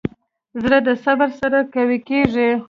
زړه د صبر سره قوي کېږي.